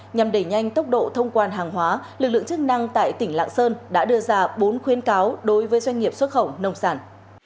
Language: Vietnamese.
nhằm đẩy nhanh tốc độ thông quan hàng hóa lực lượng chức năng tại tỉnh lạng sơn đã đưa ra bốn khuyến cáo đối với doanh nghiệp xuất khẩu nông sản